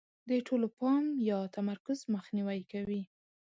د ټول پام یا تمرکز مخنیوی کوي.